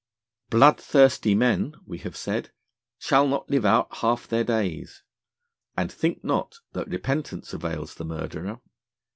'Bloodthirsty men, we have said, shall not live out half their Days. And think not that Repentance avails the Murderer.